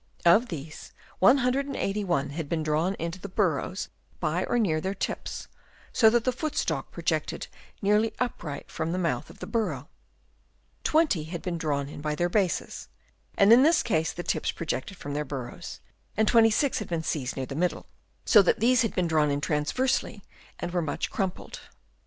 Of these, 181 had been drawn into the burrows by or near their tips, so that the foot stalk projected nearly upright from the mouth of the burrow ; 20 had been drawn in by their bases, and in this case the tips pro jected from the burrows ; and 26 had been seized near the middle, so that these had been drawn in transversely and were much crumpled.